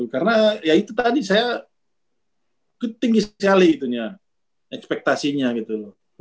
karena ya itu tadi saya ketinggisali itunya ekspektasinya gitu